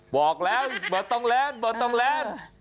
บอกแล้วเบอร์ต้องแลนด์เบอร์ต้องแลนด์